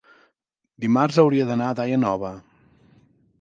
Dimarts hauria d'anar a Daia Nova.